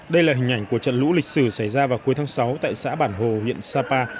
đây là hình ảnh của trận lũ lịch sử xảy ra vào cuối tháng sáu tại xã bản hồ huyện sapa